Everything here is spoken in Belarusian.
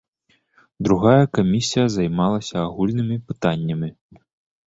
Другая камісія займалася агульнымі пытаннямі.